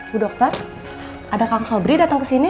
bu dokter ada kang sobri datang ke sini